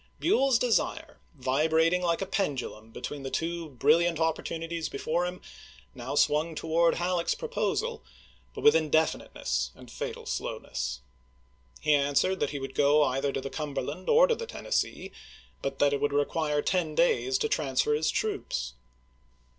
Buell's desire, vibrating like a pendulum between the two brilliant opportunities before him, now swung towards Halleck's proposal, but with indefiniteness and fatal slowness. He answered that he would go either to the Cumberland or to the Tennessee, but that it would require ten days to transfer his troops.